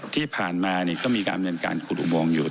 ที่ผ่านมาก็มีการเมืองการขุดอุบวงอยู่